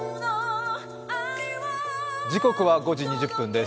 時刻は５時２０分です。